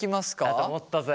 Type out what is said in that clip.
だと思ったぜ。